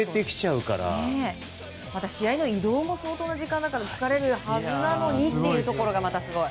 また試合の移動も相当の時間だから疲れるはずなのにというところがまたすごい。